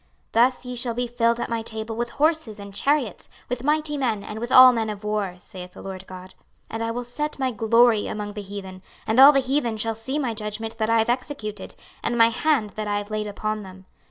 26:039:020 Thus ye shall be filled at my table with horses and chariots, with mighty men, and with all men of war, saith the Lord GOD. 26:039:021 And I will set my glory among the heathen, and all the heathen shall see my judgment that I have executed, and my hand that I have laid upon them.